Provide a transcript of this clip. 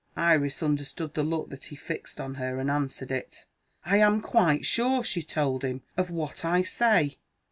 Iris understood the look that he fixed on her, and answered it. "I am quite sure," she told him, "of what I say."